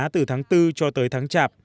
từ tháng tư cho tới tháng chạp